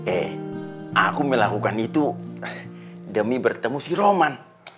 eh aku melakukan itu demi bertemu si roman